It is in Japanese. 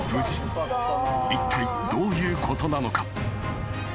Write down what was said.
［いったいどういうことなのか？］